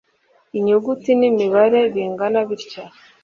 inyuguti n’imibare bingana bitya